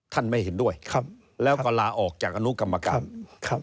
ท่านไม่เห็นด้วยแล้วก็ลาออกจากอนุกรรมการ